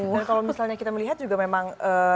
dan kalau misalnya kita melihat juga memang